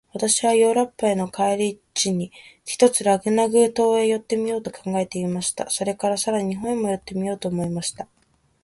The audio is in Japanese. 私はヨーロッパへの帰り途に、ひとつラグナグ島へ寄ってみようと考えていました。それから、さらに日本へも寄ってみたいと思いました。